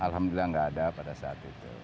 alhamdulillah nggak ada pada saat itu